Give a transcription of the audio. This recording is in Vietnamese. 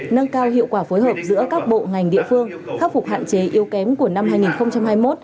nâng cao hiệu quả phối hợp giữa các bộ ngành địa phương khắc phục hạn chế yêu kém của năm hai nghìn hai mươi một